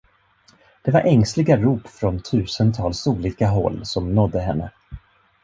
Det var ängsliga rop från tusentals olika håll som nådde henne.